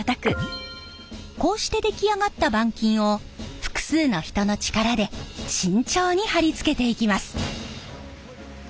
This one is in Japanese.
こうして出来上がった板金を複数の人の力で慎重に貼り付けていきます。